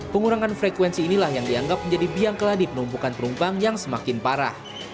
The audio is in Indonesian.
pengurangan frekuensi inilah yang dianggap menjadi biang keladi penumpukan penumpang yang semakin parah